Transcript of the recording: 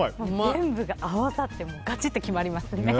全部が合わさってがちっと決まりますね。